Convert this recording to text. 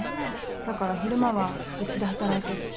だから昼間はうちで働いてる。